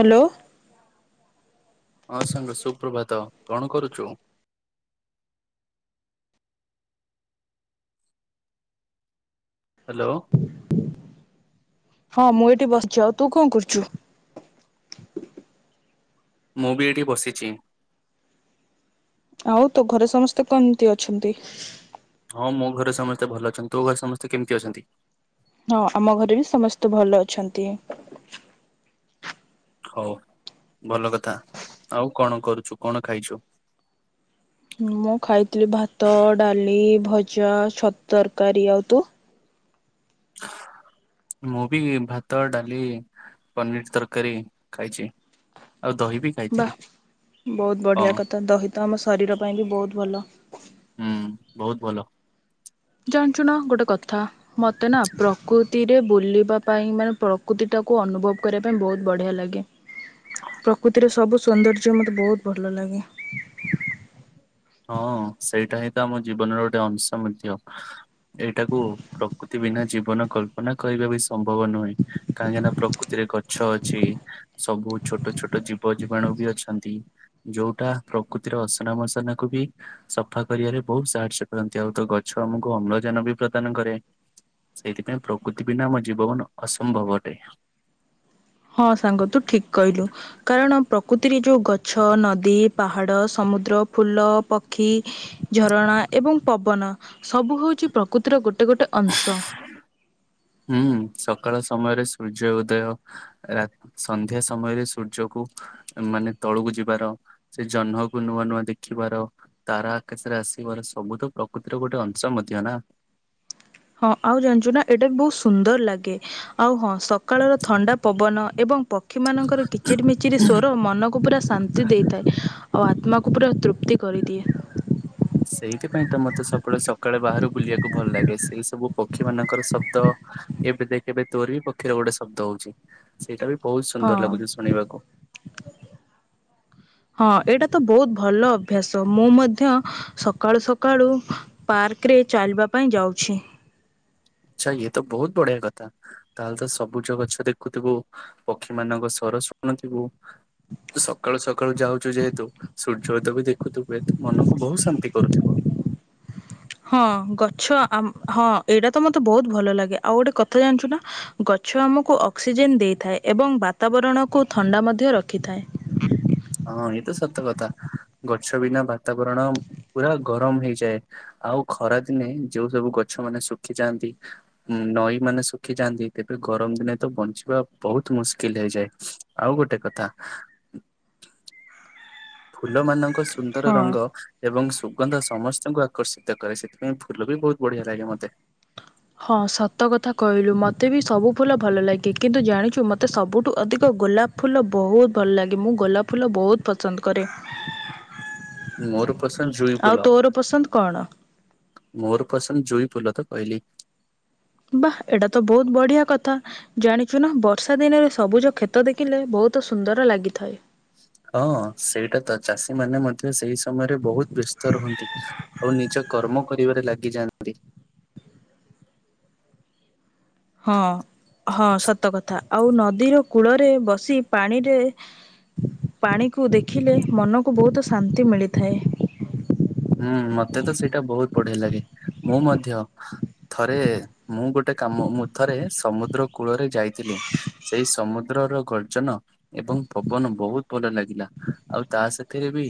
Hello. ହଁ ସାଙ୍ଗ ସୁପ୍ରଭାତ କଣ କରୁଛୁ? ହ୍ୟାଲୋ। ହଁ ମୁଁ ଏଇଠି ବସିଛି ଆଉ ତୁ କଣ କରୁଛୁ? ମୁଁ ବି ଏଇଠି ବସିଛି। ଆଉ ତୋ ଘରେ ସମସ୍ତେ କେମିତି ଅଛନ୍ତି? ହଁ ମୋ ଘରେ ସମସ୍ତେ ଭଲ ଅଛନ୍ତି ତୋ ଘରେ ସମସ୍ତେ କେମିତି ଅଛନ୍ତି? ହଁ ଆମ ଘରେ ବି ସମସ୍ତେ ଭଲ ଅଛନ୍ତି। ହଉ ଭଲ କଥା ଆଉ କଣ କରୁଛୁ କଣ ଖାଇଛୁ? ମୁଁ ଖାଇଥିଲି ଭାତ, ଡାଲି, ଭଜା, ଛତୁ ତରକାରୀ ଆଉ ତୁ? ହ [unintelligible] ମୁଭି ଭାତ, ଡାଲି, ପନିର ତରକାରୀ ଖାାଇଛି। ବା ବହୁତ ହଁ ବଢିଆ କଥା ଦହି ତ ଆମ ଶରୀର ପାଇଁ ବି ବହୁତ ଭଲ। ହୁଁ ବହୁତ ଭଲ ଜାଣିଞ୍ଚୁନ ଗୋଟେ କଥା ମତେ ନା ପ୍ରକୃତିରେ ବୁଲିବା ପାଇଁ ମାନେ ପ୍ରକୃତି ଟା ତାକୁ ଅନୁଭବ କରିବା ପାଇଁ ବହୁତ ବଢ଼ିଆ ଲାଗେ ପ୍ରକୃତିର ସବୁ ସୌନ୍ଦର୍ଯ୍ୟ ମତେ ବହୁତ ଭଲ ଲାଗେ ହଁ ସେଇଟା ହିଁ ତ ଆମ ଜୀବନର ଗୋଟେ ଅଂଶ ମଧ୍ୟ ଏଇଟାକୁ ପ୍ରକୃତି ବିନା ଜୀବନ କଳ୍ପନା କରିବା ବି ସମ୍ଭବ ନୁହେଁ କାହିଁକିନା ପ୍ରକୃତିରେ ଗଛ ଅଛି ସବୁ ଛୋଟ ଛୋଟ ଜୀବ ଜୀବାଣୁ ବି ଅଛନ୍ତି ଯୋଉଟା ପ୍ରକୃତିର ଅସନା ମସନା ବି ସଫା କରିବାରେ ବହୁତ ସାହାଯ୍ୟ କରନ୍ତି ଆଉ ତ ଗଛ ଆମକୁ ଅମ୍ଳଜାନ ବି ପ୍ରଦାନ କରେ ସେଥିପାଇଁ ପ୍ରକୃତି ବିନା ଆମ ଜୀବନ ଅସମ୍ଭବ ଅଟେ। ହଁ ସାଙ୍ଗ ତୁ ଠିକ କହିଲୁ କାରଣ ପ୍ରକୃତିରେ ଯୋଉ ଗଛ, ନଦୀ, ପାହାଡ଼, ସମୁଦ୍ର, ଫୁଲ, ପକ୍ଷୀ, ଝରଣା ଏବଂ ପବନ ସବୁ ହଉଛି ପ୍ରକୃତିର ଗୋଟେ ଗୋଟେ ଅଂଶ ହୁଁ ସକାଳ ସମୟରେ ସୂର୍ଯ୍ୟ ଉଦୟ ସନ୍ଧ୍ୟା ସମୟରେ ସୂର୍ଯ୍ୟକୁ ମାନେ ତଳକୁ ଯିବାର ସେ ଜହ୍ନକୁ ନୂଆ ନୂଆ ଦେଖିବାର ତାରା ଆକାଶରେ ଆସିବାର ସବୁ ତ ପ୍ରକୃତି ଏଟ ଗୋଟେ ଅଛ ମୁଁ ଦ ନା। ହଁ ଆଉ ଜାଣିଛୁ ନା ଏଇଟା ବି ବହୁତ ସୁନ୍ଦର ଲାଗେ ଆଉ ହଁ ସକାଳର ଥଣ୍ଡା ପବନ ଏବଂ ପକ୍ଷୀ ମାନଙ୍କର କିଚିରି ମିିଚିରି ସଵର ମନକୁ ପୁରା ଶାନ୍ତି ଦେଇଥାଏ ଆଉ ଆତ୍ମାକୁ ପୁରା ତୃପ୍ତି କରିଦିଏ। ସେଇଥିପାଇଁ ତ ମତେ ସବୁବେଳେ ସକାଳେ ବାହାରୁ ବୁଲିବାକୁ ଭଲ ଲାଗେ ସେଇ ସବୁ ପକ୍ଷୀ ମାନଙ୍କର ଶବ୍ଦ ଏବେ ଦେଖବେ ତୋର ବି ପକ୍ଷୀରେ ଗୋଟେ ଶବ୍ଦ ହଉଛି ସେଇଟା ବି ବହୁତ ହଁ ସୁନ୍ଦର ଲାଗୁଛି ଶୁଣିବାକୁ। ହଁ ଏଇଟା ତ ବହୁତ ଭଲ ଅଭ୍ୟାସ ମୁଁ ମଧ୍ୟ ସକାଳୁ ସକାଳୁ ପାର୍କରେ େ ଚାଲିବା ପାଇଁ ଯାଉଛି। ହ [inaudible] ଆଛା ଇଏ ତ ବହୁତ ବଢିଆ କଥା ତାହେଲେ ତ ସବୁଜ ଗଛ ଦେଖୁଥିବୁ ପକ୍ଷୀ ମାନଙ୍କ ସହ ର ଶୁଣଥିବୁ ସକାଳୁ ସକାଳୁ ଯାଉଛୁ ଯେହେତୁ ସୂର୍ଯ୍ୟ ଉଦୟ ବି ଦେଖୁଥିବୁେତୁ ମନକୁ ବହୁତ ଶାନ୍ତି କରୁଥିବ। ହଁ ଗଛ ଆମ୍ ହଁ ଏଇଟା ତ ମୋତେ ବହୁତ ଭଲ ଲାଗେ। ଆଉ ଗୋଟେ କଥା ଜାଣିଚୁ ନା। ଗ ଛ ଆମକୁ ଅକ୍ସିଜେନ୍ ଦେଇଥାଏ। ଏବଂ ବାତାବରଣକୁ ଥଣ୍ଡା ମଧ୍ୟ ରଖିଥାଏ। ହଁ ଇଏତ ସତ କଥା। ଗଛ ବିନା ବାତାବରଣ ପୁରା ଗରମ ହେଇଯାଏ। ଆଉ ଖରାଦିନେ ଯୋଉ ସବୁ ଗଛ ମାନେ ଶୁଖିଯାଆନ୍ତି। ଉଁ, ନଈ ମାନେ ଶୁଖିଯାଆନ୍ତି। ତେବେ ଗରମ ଦିନେ ତ ବଞ୍ଚିବା ବହୁତ ମୁସ୍କିଲ ହେଇଯାଏ। ଆଉ ଗୋଟେ କଥା ଫୁଲ ମାନଙ୍କ ସୁନ୍ଦର ହଁ। ରଙ୍ଗ ଏବଂ ସୁ ସୁଗନ୍ଧ ସମସ୍ତଙ୍କୁ ଆକର୍ଷିତ କରେ। ସେଥିପାଇଁ ଫୁଲ ବି ବହୁତ ବଢିଆ ଲାଗେ ମୋତେ। ହଁ ସତ କଥା କହିଲୁ ମୋତେ ବି ସବୁ ଫୁଲ ଭଲ ଲାଗେ। କିନ୍ତୁ ଜାଣିଚୁ ମୋତେ ସବୁଠୁ ଅଧିକ ଗୋଲାପ ଫୁଲ ବହୁତ ଭଲ ଲାଗେ। ମୁଁ ଗୋଲାପ ଫୁଲ ବହୁତ ପସନ୍ଦ କରେ। ମୋର ପସନ୍ଦ ଜୁଇ ଆଉ ଫୁଲ। ତୋର ପସନ୍ଦ କଣ? ମୋର ପସନ୍ଦ ଜୁଇ ଫୁଲ ତ କହିଲି ବାଃ ଏଇଟା ତ ବହୁତ ବଢିଆ କଥା। ଜାଣିଚୁ ନା ବର୍ଷା ଦିନରେ ଏଇ ସବୁଜ କ୍ଷେତ ଦେଖିଲେ ବହୁ ବହୁତ ସୁନ୍ଦର ଲାଗିଥାଏ। ହ ହଁ ସେଇଟା ତ ଚାଷୀ ମାନ ମଧ୍ୟ ସେଇ ସମୟରେ ବହୁତ ବ୍ୟସ୍ତ ରୁହନ୍ତି। ଆଉ ନିଜ କର୍ମ କାମ କରିବାରେ ଲାଗିଯାଆନ୍ତି। ହଁ, ହଁ ସତ କଥା। ଆଉ ନଦୀର କୂଳରେ ବସି ପାଣିରେ ପାଣିକୁ ଦେଖିଲେ ମନକୁ ବହୁତ ଶାନ୍ତି ମିଳିଥାଏ। ହୁଁ ମୋତେ ତ ସେଇଟା ବହୁତ ବଢିଆ ଲାଗେ। ମୁଁ ମଧ୍ୟ ଥରେ ମୁଁ ଗୋଟେ କାମ ମୁଁ ଥରେ ସମୁଦ୍ର କୂଳରେ ଯାଇଥିଲି। ସେଇ ସମୁଦ୍ର ର ଗର୍ଜନ ଏବଂ ପବନ ବହୁତ ଭଲ ଲାଗିଲା। ଆଉ ତା ସାଥିରେ ବି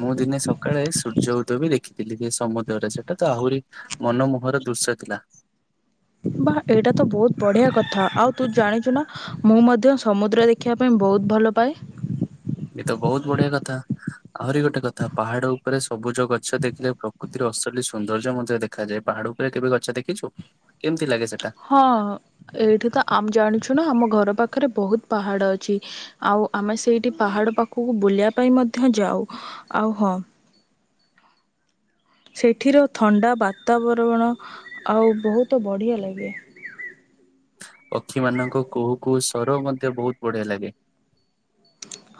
ମୁଁ ଦି ନେ ସକାଳେ ସୂର୍ଯ୍ୟ ଉଠ ତୁ ବି ଦେଖିଥିଲି ସେ ସମୁଦ୍ରରେ ସେଟା ତ ଆହୁରି ମନମୋହର ଦୃଶ୍ୟ ଥିଲା। ବାଃ ଏଇଟା ତ ବହୁତ ବଢିଆ କଥା। ଆଉ ତୁ ଜାଣିଚୁ ନା ମୁଁ ମଧ୍ୟ ସମୁଦ୍ର ଦେଖିବା ପାଇଁ ବହୁତ ଭଲ ପାଏ। [unintelligible] ଏ ତ ବହୁତ ବଢିଆ କଥା। ଆହୁରି ଗୋଟେ କଥା ପାହାଡ ଉପରେ ସବୁଜ ଗଛ ଦେଖିଲେ ପ୍ରକୃତିର ଅସଲି ସୁନ୍ଦର୍ଯ୍ୟ ମଧ୍ୟ ଦେଖାଯାଏ। ପାହାଡ ଉପରେ କେବେ ଗଛ ଦେଖିଛୁ କେମିତି ଲାଗେ ସେ ହଁ ଏଇଠି ତ ଆମ ଜାଣିଛୁ ଶୁଣ ଆମ ଘର ପାଖରେ ବହୁତ ପାହାଡ଼ ଅଛି। ଆଉ ଆମେ ସେଇଟି ପାହାଡ଼ ପାଖକୁ ବୁଲିବା ପାଇଁ ମ ଧ୍ୟ ଯାଉ। ଆଉ ହଁ ହଁ ସେଠିର ଥଣ୍ଡା ବାତାବରବଣ ଆଉ ବହୁତ ବଢିଆ ଲାଗେ। [unintelligible] ପକ୍ଷୀମାନଙ୍କ କୁହୁ କୁହୁ ସର ମଧ୍ୟ ବହୁତ ବଢିଆ ଲାଗେ।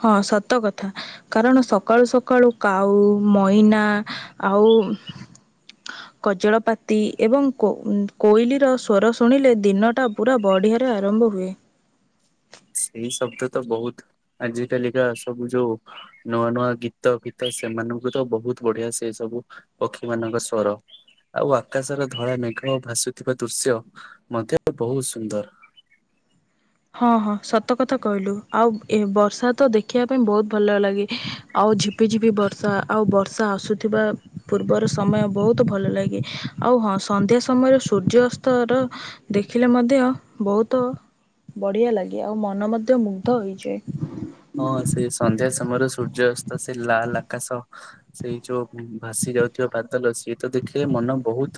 ହଁ ସତ କଥା କାରଣ ସକାଳୁ ସକାଳୁ କାଉ, ମଇନା ଆଉ [unintelligible] କଜଳପାତି ଏବଂ କୋ-ଉଁ, କୋଇଲିର ସ୍ୱର ଶୁଣିଲେ ଦିନଟା ପୁରା ବଢ଼ିଆରେ ଆରମ୍ଭ ବ ହୁଏ। [unintelligible] ସେଇ ଶବ୍ଦ ତ ବହୁତ ଆଜି କାଲିକା ସବୁ ଯୋଉ ନୂଆ ନୂଆ ଗୀତ ଫୀତ ସେ ସେମାନଙ୍କୁ ତ ବହୁତ ବଢିଆ ସେ ସବୁ ପକ୍ଷୀ ମାନଙ୍କ ସ୍ବର। ଆଉ ଆକାଶର ଧଳା ମେଘ ଓ ଭାସୁଥିବା ଦୃଶ୍ୟ ମଧ୍ୟ ବହୁତ ସୁନ୍ଦର। [unintelligible] ହଁ, ହଁ ସତ କଥା କହିଲୁ। ଆଉ ଏ ବର୍ଷା ତ ଦେଖିବା ପାଇଁ ବହୁତ ଭଲ ଲାଗେ। ଆଉ ଝିପ ପି ଝିପି ବର୍ଷା, ଆଉ ବର୍ ଷା ଆସୁଥିବା ପୂର୍ବର ସମୟ ବହୁତ ଭଲ ଲାଗେ। ଆଉ ହଁ ସନ୍ଧ୍ୟା ସମୟରେ ସୂର୍ଯ୍ୟ ତର ଦେଖିଲେ ମଧ୍ୟ ବୋହୁତ ବଢିଆ ଲାଗେ ଆଉ ମନ ମଧ୍ୟ ମୁଗ୍ଧ ହୋଇଯାଏ। ହଁ ସେ ସନ୍ଧ୍ୟା ସମୟରେ ସୂ ସେ ଲାଲ ଆକାଶ ସେଇ ଯୋଉ ଭାସି ଯାଉଥିବା ବାଦଲ ସିଏ ତ ଦେଖିଲେ ମନ ବହୁତ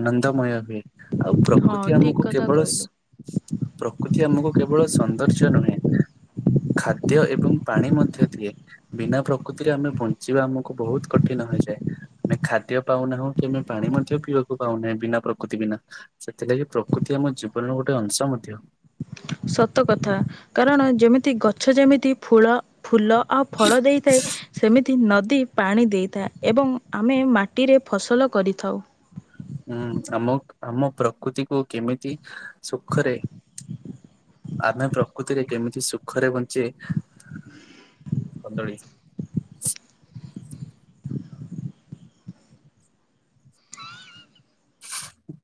ଆନନ୍ଦମୟ ହୁଏ ଆଉ ହଁ ପ୍ରକୃତି ଠିକ୍ ଆମକୁ କଥା କେବଳ କହିଲୁ। ପ୍ରକୃତି ଆମକୁ କେବଳ ସୌନ୍ଦର୍ଯ୍ୟ ନୁହେଁ ଖାଦ ଏବଂ ପାଣି ମଧ୍ୟ ଦିଏ ବିନା ପ୍ରକୃତିରେ ଆମେ ବଞ୍ଚିବା ଆମକୁ ବହୁତ କଠିନ ହୋଇଯାଏ। ଖାଦ୍ୟ ପାଉନାହୁଁ କିମା ପାଣି ମଧ୍ୟ ପିଇବାକୁ ପାଉନାହିଁ ବିନା ପ୍ରକୃତି ବିନା ସେଥିଲାଗି ପ୍ରକୃତି ଆମ ଜୀବନରେ ଗୋଟେ ଅଂଶ ମଧ୍ୟ। ସତ କଥା କାରଣ ଯେମିତି ଗଛ ଯେମିତି ଫୁଳ ଫୁଲ ଆଉ ଫଳ ଦେଇଥାଏ ସେମିତି ତି ନଦୀ ପାଣି ଦେଇଥାଏ ଏବଂ ଆମେ ମାଟିରେ ଫସଲ କରିଥାଉ। ହୁଁ ଆମ ଆମ ପ୍ରକୃତିକୁ କେମିତି ସୁଖରେ ଆମେ ପ୍ରକୃତିରେ କେମିତି ସୁଖରେ ବଞ୍ଚେ କଦଳୀ [inaudible] [unintelligible]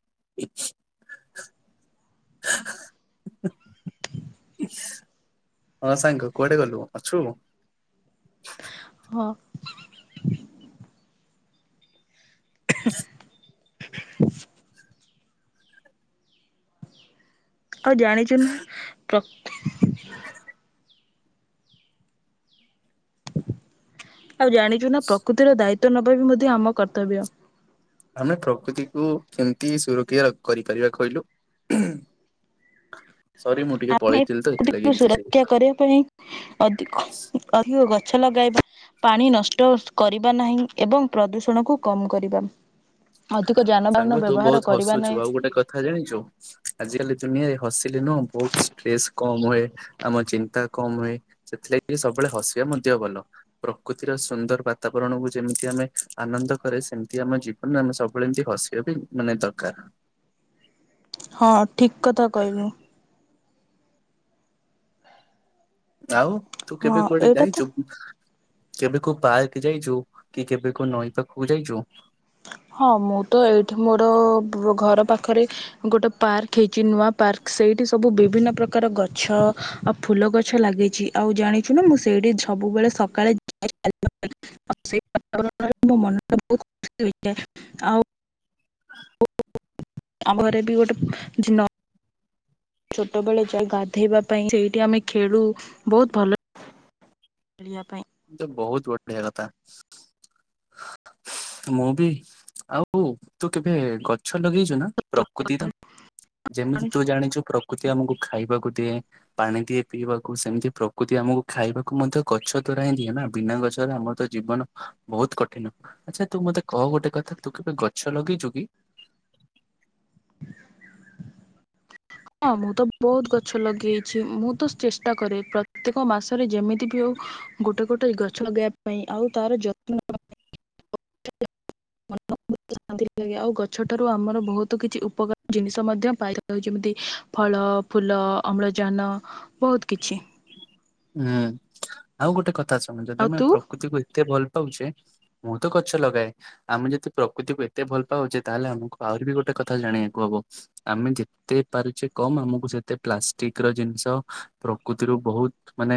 ହଁ ସାଙ୍ଗ କୁଆଡେ ଗଲୁ ଅଛୁ ହଁ [inaudible] [inaudible] ଆଉ ଜାଣିଛୁ ନା ପ୍ର ଆଉ ଜାଣିଛୁ ନା ପ୍ରକୃତିର ଦାୟିତ୍ଵ ନବା ବି ମଧ୍ୟ ଆମ କର୍ତ୍ତବ୍ୟ। ଆମେ ପ୍ରକୃତିକୁୁ କେମିତି ସୁରକ୍ଷା କରିପାରିବା କହିଲୁ? [inaudible] ଟିକେ ଆମେ ପଳେଇଥିଲି ତ ସେଥିଲାଗି ଏ ଏମିତି ସୁରକ୍ଷା ଶୁଭୁଥିଲା କରିବା ପାଇଁ ଅଧିକ ଅଧିକ ଗ ଗଛ ଲଗାଇବା ପାଣି ନଷ୍ଟ କରିବା ନାହିଁ ଏବଂ ପ୍ରଦୂଷଣକୁ କମ କରିବା। ଅଧିକ ଯା ସାଙ୍ଗ ତୁ ବହୁତ ହସୁଛୁ ଆଉ ଗୋଟେ କଥା ଜାଣିଛୁ ଆଜିକାଲି ଦୁନିଆରେ ହସିଲେ ନୁ ବହୁତ ଷ୍ଟ୍ରେସ୍ କମ ହୁଏ ଆମ ଚିନ୍ତା କମ ହୁଏ ସେଥିଲାଗି ସବୁବେଳେ ହସିବା ମଧ୍ୟ ଭଲ ପ୍ରକୃତିର ସୁନ୍ଦର ବାତାବରଣକୁ ଯେମିତି ଆମେ ଆନନ୍ଦ କରେ ସେମିତି ଆମ ଜୀବନରେ ଆମେ ସବୁ ବେଳେ ଏମିତି ହସିବା ବି ମାନେ ଦରକାର। ହଁ ଠିକ କଥା କହିଲୁ। ଆଉ ତୁ କେବେ ହଁ କୁଆଡ଼େ ଏଇଟା ଯାଇଛୁ ତ କେବେ କୋଉ ପାର୍କ ଯାଇଛୁ କି କେବେ କୋଉ ନଈ ପାଖକୁ ଯାଇଚୁ ହଁ ମୁଁ ତ ଏଇଠି ମୋର ଘର ପାଖରେ ଗୋଟେ ପାର୍କ ହେଇଛି ନୂଆ ପାର୍କ ସେଇଠି ସବୁ ବିଭିନ୍ନ ପ୍ରକାର ଗଛ ଆଉ ଫୁଲ ଗଛ ଲାଗିଛି ଆଉ ଜାଣିଛୁ ନା ମୁଁ ସେଇଠି ସବୁବେଳେ ସକାଳେ ଯ [unintelligible] ଆଉ ସେଇ ବାତାବରଣରେ ମୋ ମନଟା ବହୁତ ଖୁସି ହୁଏ। ଆଉ ଆମ ଘରେ ବି ଗୋଟେ ଚିନ ଛୋଟବେଳେ ଯା ଗାଧେଇବା ପାଇଁ ସେଇଠି ଆମେ ଖେଳୁ ବହୁତ ଭଲ ଚଳିଆପାଇଁ ତ ବହୁତ ବଢିଆ କଥା। ମୁଁ ବି ଆଉ ତୁ କେବେ ଗ ଗଛ ଲଗେଇଛୁ ନା ପାଇଁ ପ୍ରକୃତିତ ଯେମିତି ତୁ ଜାଣିଛୁ ପ୍ରକୃତି ଆମକୁ ଖାଇବାକୁ ଦିଏ ପାଣି ଦିଏ ପିଇବାକୁ ସେମିତି ପ୍ରକୃତି ଆମକୁ ଖାଇବାକୁ ମଧ୍ୟ ଗଛ ଦ୍ଵାରା ହିଁ ଦିଏ ନା ବିନା ଗଛରେ ଆମର ତ ଜୀବନ ବହୁତ କଠିନ ଆଚ୍ଛା ତୁ ମତେ କହ ଗୋଟେ କଥା ତୁ ଗଛ ଲଗେଇଛୁ କି? ହଁ ମୁଁ ତ ବହୁତ ଗଛ ଲଗେଇଛି ମୁଁ ତ ଚେଷ୍ଟା କରେ ପ୍ରତ୍ୟେକ ମାସରେ ଯେମିତି ବି ହଉ ଗୋଟେ ଗୋଟେ ଗଛ ଲଗେଇବା ପାଇଁ ଆଉ ତାର ଯତ୍ନ ନେବା ପାଇଁ ପ ଶାନ୍ତି ଲାଗେ ଆଉ ଗଛଠାରୁ ଆମର ବହୁତ କିଛି ଉପକାର ଜିନିଷ ମଧ୍ୟ ପାଇଥାଉ, ଯେମିତି ଫଳ, ଫୁଲ, ଅମ୍ଳଜାନ ବହୁତ କିଛି ହୁଁ ଆଉ ଗୋଟେ କଥା ଶୁଣ ଯଦି ଆଉ ଆମେ ତୁ ପ୍ରକୃତିକୁ ଏତେ ଭଲ ପାଉଛେ ମୁଁ ତ ଗଛ ଲଗାଏ ଆମେ ଯଦି ପ୍ରକୃତିକୁ ଏତେ ଭଲ ପାଉଛେ ତାହେଲେ ଆମକୁ ଆହୁରି ବି ଗୋଟେ କଥା ଜାଣିବାକୁ ହବ ଆମେ ଯେତେ ପାରୁଛେ କମ ଆମକୁ ସେତେ ପ୍ଲାଷ୍ଟିକ ର ଜିନିଷ ପ୍ରକୃତିରୁ ବହୁତ ମାନେ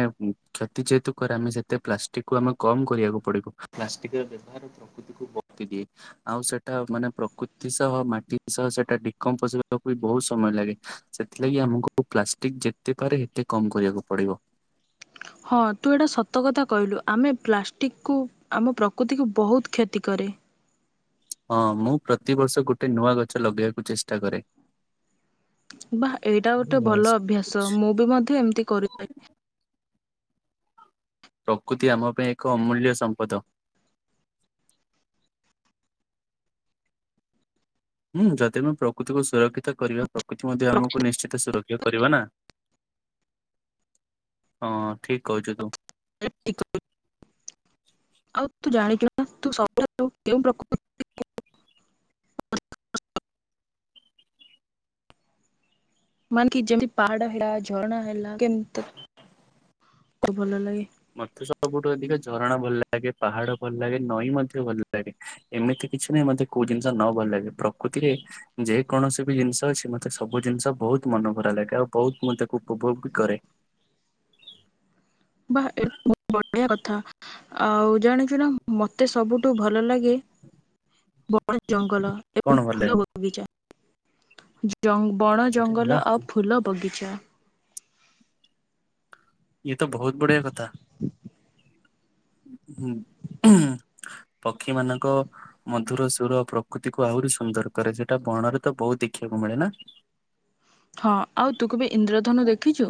କ୍ଷତି ଯେହେତୁ କ ଆମେ ସେତେ ପ୍ଲାଷ୍ଟିକ କୁ ଆମେ କମ କରିବାକୁ ପଡିବ ପ୍ଲାଷ୍ଟିକ ବ୍ୟହାର ପ୍ରକୃତିକୁ ବତି ଦିଏ ଆଉ ସେଟା ମାନେ ପ୍ରକୃତି ସହ ମାଟି ସହ ସେଟା ଡିକମ୍ପୋ ବି ବହୁତ ସମୟ ଲାଗେ ସେଥିଲାଗି ଆମକୁ ପ୍ଲାଷ୍ଟିକ ଯେତେ ପାରେ ଏତେ କମ କରିବାକୁ ପଡିବ। ହଁ ତୁ ଏଇଟା ସତ କଥା କହିଲୁ ଆମେ ପ୍ଲାଷ୍ଟିକକୁ ଆମ ପ୍ରକୃତିକୁ ବହୁତ କ୍ଷତି କରେ। ହଁ ମୁଁ ପ୍ରତିବର୍ଷ ଗୋଟେ ନୂଆ ଗଛ ଲଗେଇବାକୁ ଚେଷ୍ଟା କରେ। ବା ଏଇଟା ଗୋଟେ ଭଲ ଅଭ୍ୟାସ ମୁଁ ବି ମଧ୍ୟ ଏମିତି କରିବି। ପ୍ରକୃତି ଆମ ପାଇଁ ଏକ ଅମୂଲ୍ୟ ସମ୍ପଦ। ହୁଁ ଯଦି ଆମେ ପ୍ରକୃତିକୁ ସୁରକ୍ଷିତ କରିବା ପ୍ରକୃତି ମଧ୍ୟ ଆମକୁ ନିଶ୍ଚିତ ସୁରକ୍ଷ ଇଏ କରିବା ନା ହଁ ଠିକ କହୁଛୁ ତୁ। ଆଉ ତୁ ଜାଣିଚୁ ତୁ କେଉଁ ପ୍ରକୃତି [inaudible] ମାନେ କି ଯେମତି ପାହଡ ହେଲା ଝରଣା ହେଲା କେମତି ଭଲ ଲାଗେ। ମତେ ସବୁଠୁ ଅଧିକ ଝରଣା ଭଲ ଲାଗେ, ପାହାଡ ଭଲ ଲାଗେ, ନଈ ମଧ୍ୟ ଭଲ ଲାଗେ, ଏମିତି କିଛି ନାହିଁ ମତେ କୋଉ ଜିନିଷ ନ ଭଲ ଲାଗେ ପ୍ରକୃତିରେ ଯେକୌଣସି ବି ଜିନିଷ ଅଛି ମତେ ସବୁ ଜିନିଷ ବହୁ ବହୁତ ମନ ଭରା ଲାଗେ ଆଉ ବହୁତ ମୁଁ ତାକୁ ଉପଭୋଗ ବି କରେ। ବାହ ଏଟା ବହୁତ ବଢିଆ କଥା। ଆଉ ଜାଣିଛୁ ନା ମତେ ସବୁଠୁ ଭଲ ଲାଗେ ବନ ଜଙ୍ଗ ଗଲ କଣ ଏବଂ ଭଲ ଫୁଲ ଲାଗେ ବଗିଚା। ବଣ ଆରେ ବା ଜଙ୍ଗଲ ଆଉ ଫୁଲ ବଗିଚା। ଇଏ ତ ବହୁତ ବଢିଆ କଥା ହୁଁ। ହୁଁ ପକ୍ଷୀ ମାନଙ୍କ ମଧୁର ସୁର ପ୍ରକୃତିକୁ ଆହୁରି ସୁନ୍ଦର କରେ ସେଟା କଣରେ ତ ବହୁତ ଦେଖିବାକୁ ମିଳେ ନା। ହଁ ଆଉ ତୁ କେବେ ଇନ୍ଦ୍ରଧନୁ ଦେଖିଛୁ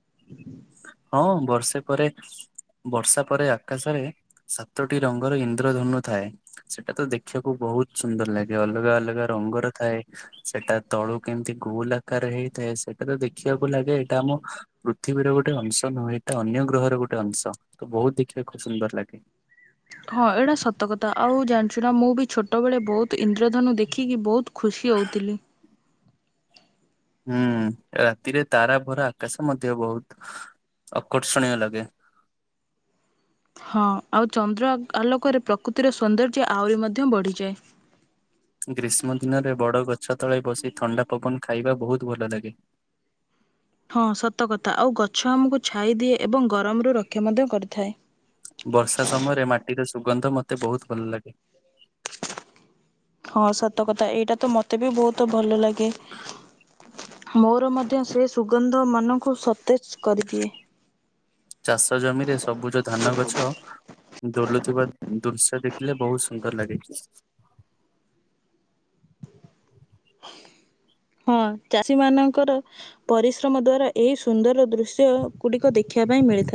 [inaudible] ହଁ ବର୍ଷେ ପରେ ବର୍ଷା ପରେ ଆକାଶରେ ସାତଟି ରଙ୍ଗର ଇନ୍ଦ୍ରଧନୁ ଥାଏ, ସେଟା ତ ଦେଖିବାକୁ ବୋହୁ ବୋହୁତ ସୁନ୍ଦର ଲାଗେ ଅଲଗା ଅଲଗା ରଙ୍ଗର ଥାଏ ସେଟା ତଳୁ କେମିତି ଗୋଲ ଆକାରରେ ହେଇଥାଏ। ସେଇଟା ତ ଦେଖିବାକୁ ଲାଗେ ଏଇଟା ଆମ ପୃଥିବୀର ଗୋ ଗୋଟେ ଅଂଶ ନୁହେଁ ତ ଅନ୍ୟ ଗ୍ରହର ଗୋଟେ ଅଂଶ ତ ବୋହୁତ ଦେଖିବାକୁ ଖୁବ ସୁନ୍ଦର ଲାଗେ। ହଁ ଏଇଟା ସତ କଥା ଆଉ ଜାଣିଚୁ ନା ମୁଁ ବି ଛୋଟ ବେଳେ ବୋହୁତ ଇନ୍ଦ୍ରଧନୁ ଦେଖିକି ବୋହୁତ ଖୁସି ହୋଉଥିଲି। ହୁଁ ରାତିରେ ତାରା ଭରା ଆକାଶ ମଧ୍ୟ ବୋହୁତ ଆକର୍ଷଣୀୟ ଲାଗେ। ହଁ ଆଉ ଚନ୍ଦ୍ର ଆଲୋକରେ ପ୍ରକୃତିର ସୌନ୍ଦର୍ଯ୍ୟ ଆହୁରି ମଧ୍ୟ ବଢିଯାଏ। ଗ୍ରୀଷ୍ମ ଦିନରେ ବଡ ଗ ଛ ତଳେ ବସି ଥଣ୍ଡା ପବନ ଖାଇବା ବହୁତ ଭଲ ଲାଗେ। ହଁ ସତକଥା ଆଉ ଗଛ ଆମକୁ ଛାଇ ଦିଏ ଏବଂ ଗରମରୁୁ ରକ୍ଷା ମଧ୍ୟ କରିଥାଏ। ବର୍ଷା ସମୟରେ ମାଟିର ସୁଗନ୍ଧ ମୋତେ ବୋହୁତ ଭଲ ଲାଗେ। ସତକଥା ଏଇଟା ତ ମତେ ବି ବୋହୁତ ଭଲ ଲାଗେ ମୋର ମ ଧ୍ୟ ସେ ସୁଗନ୍ଧ ମନକୁ ସତେଜ କରିଦିଏ। ଚାଷ ଜମିରେ ସବୁଜ ଧାନ ଗଛ ଦୋଲୁଥିବା ଦୃଶ୍ୟ ଦେଖିଲେ ବହୁତ ସୁନ୍ଦର ଲାଗେ। ହଁ ଚାଷୀ ମାନଙ୍କର ପରିଶ୍ରମ ଦ୍ଵାରା ଏଇ ସୁନ୍ଦର ଦୃଶ୍ୟ ଗୁଡିକ ଦେଖିବା ପାଇଁ ମିଳିଥାଏ।